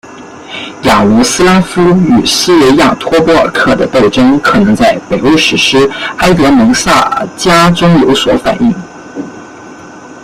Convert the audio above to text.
雅罗斯拉夫与斯维亚托波尔克的斗争可能在北欧史诗埃德蒙萨迦中有所反映。